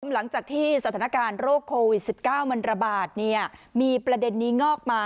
หลังจากที่สถานการณ์โรคโควิด๑๙มันระบาดมีประเด็นนี้งอกมา